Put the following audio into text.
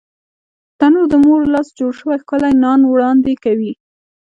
تنور د مور لاس جوړ شوی ښکلی نان وړاندې کوي